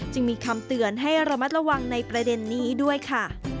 จึงมีคำเตือนให้ระมัดระวังในประเด็นนี้ด้วยค่ะ